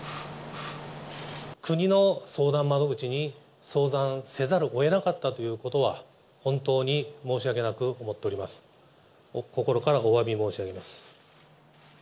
国の相談窓口に相談せざるをえなかったということは、本当に申し訳なく思っております。